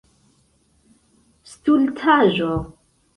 stultaĵo